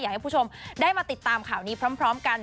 ให้คุณผู้ชมได้มาติดตามข่าวนี้พร้อมกัน